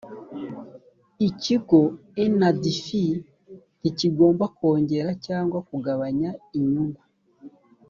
ikigo ndfi ntikigomba kongera cyangwa kugabanya inyungu